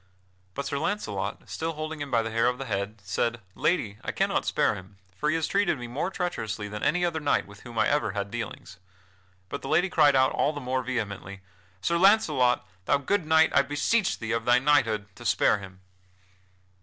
But Sir Launcelot, still holding him by the hair of the head, said: "Lady, I cannot spare him, for he has treated me more treacherously than any other knight with whom I ever had dealings." But the lady cried out all the more vehemently, "Sir Launcelot, thou good knight, I beseech thee, of thy knighthood, to spare him."